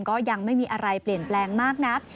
ก็ยังไม่มีอะไรเปลี่ยนแปลงมากนัก